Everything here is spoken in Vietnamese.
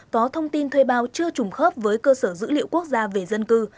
có thông tin thuê bao chưa trùng khớp với cơ sở dữ liệu quốc gia về dân cư